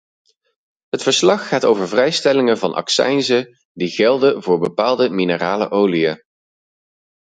Het verslag gaat over vrijstellingen van accijnzen die gelden voor bepaalde minerale oliën.